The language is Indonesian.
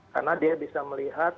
karena dia bisa melihat